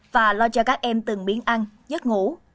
và lo cho các em từng miếng ăn giấc ngủ